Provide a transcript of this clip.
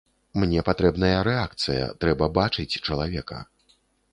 Мне патрэбная рэакцыя, трэба бачыць чалавека.